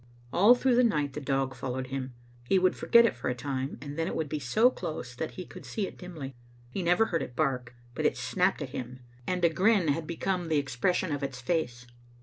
All through the night the dog followed him. He would forget it for a time, and then it would be so close that he could see it dimly. He never heard it bark, but it snapped at him, and a grin had become the ex* Digitized by VjOOQ IC tCbe 9tcnt Vaftu 388 pression of its face.